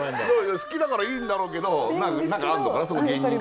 好きだからいいんだろうけどなんかあるのかな？